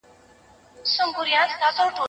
دا محدودیت د روزنې برخه ده.